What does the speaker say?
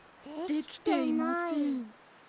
できていません。